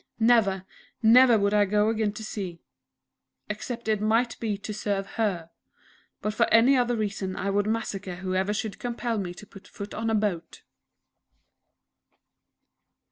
Never, never would I go again to sea except it might be to serve Her. But for any other reason I would massacre whoever should compel me to put foot on a boat!...